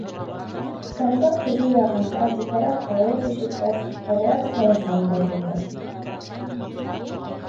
Сымдың теге яғында битараф тауыш ишеткәс, әҙерәк һыуынғандай булды.